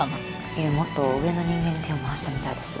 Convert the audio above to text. いえもっと上の人間に手を回したみたいです。